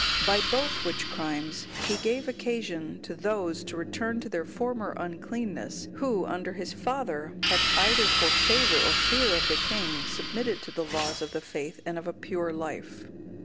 (195) By both which crimes he gave occasion to those to return to their former uncleanness, who, under his father, had, either for favour or fear of the king, submitted to the laws of the faith and of a pure life.